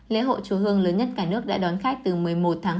lễ hộ chúa hương lớn nhất cả nước đã đón khách từ một mươi một tháng hai